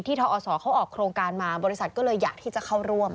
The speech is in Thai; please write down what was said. ทอศเขาออกโครงการมาบริษัทก็เลยอยากที่จะเข้าร่วม